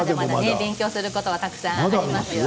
勉強することはたくさんありますよ。